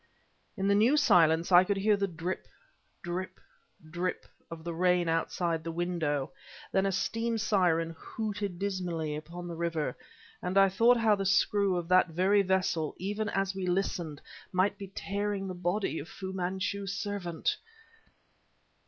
In the new silence, I could hear the drip, drip, drip of the rain outside the window; then a steam siren hooted dismally upon the river, and I thought how the screw of that very vessel, even as we listened, might be tearing the body of Fu Manchu's servant!